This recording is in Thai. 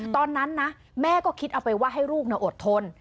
ตอนนั้นนะแม่ก็คิดเอาไปว่าให้ลูกอดทน